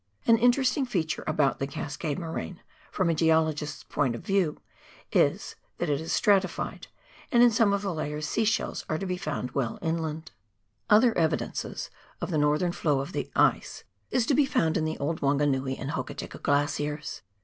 An interesting feature about the Cascade moraine, from a geologist's point of view, is, that it is stratified, and in some of the layers sea shells are to be found well inland. 15G PIONEER WORK IN THE ALPS OF NEW ZEALAND. Other evidences of the northern flow of the ice is to be found in the old Wanganui and Hokitika Glaciers.